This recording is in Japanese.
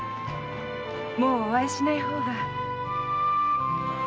もうお会いしない方が。